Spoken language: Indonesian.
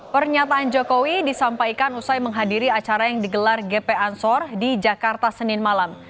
pernyataan jokowi disampaikan usai menghadiri acara yang digelar gp ansor di jakarta senin malam